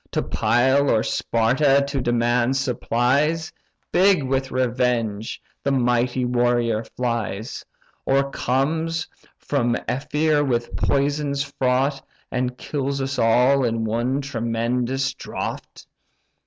To Pyle or Sparta to demand supplies, Big with revenge, the mighty warrior flies; Or comes from Ephyre with poisons fraught, And kills us all in one tremendous draught!"